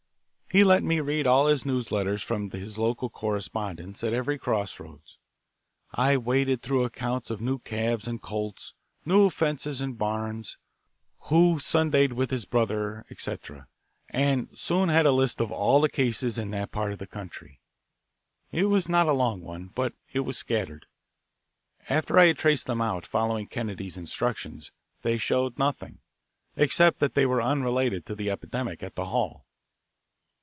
He let me read all his news letters from his local correspondent at every crossroads. I waded through accounts of new calves and colts, new fences and barns, who "Sundayed" with his brother, etc., and soon had a list of all the cases in that part of the country. It was not a long one, but it was scattered. After I had traced them out, following Kennedy's instructions, they showed nothing, except that they were unrelated to the epidemic at the hall.